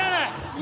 今。